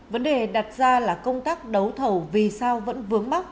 vấn đề đặt ra là công tác đấu thầu vì sao vẫn vướng mắt